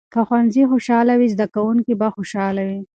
که ښوونځي خوشال وي، زده کوونکي به خوشحاله وي.